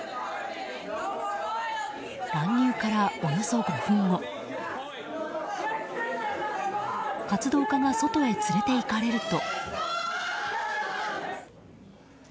乱入からおよそ５分後活動家が外へ連れていかれると。